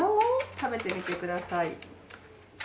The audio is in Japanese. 食べてみてください。